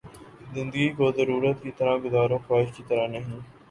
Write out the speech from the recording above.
زندگی کو ضرورت کی طرح گزارو، خواہش کی طرح نہیں